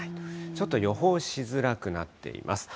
ちょっと予報しづらくなっています。